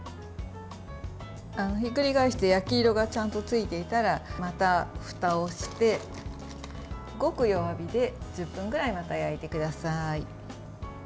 ひっくり返して焼き色がちゃんとついていたらまたふたをして、ごく弱火で１０分くらいまた焼いてください。